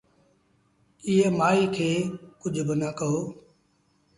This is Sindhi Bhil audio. ايٚئي مآئيٚ کي ڪجھ با نآ ڪهو